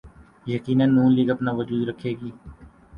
یقینا نون لیگ اپنا وجود رکھے گی۔